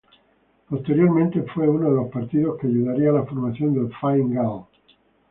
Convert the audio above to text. Posteriormente fue uno de los partidos que ayudaría a la formación del Fine Gael.